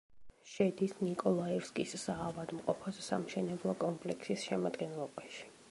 შედის ნიკოლაევსკის საავადმყოფოს სამშენებლო კომპლექსის შემადგენლობაში.